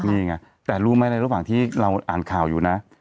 มีไงแต่รู้ไหมเราอ่านข่าวอยู่นะ